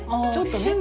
趣味。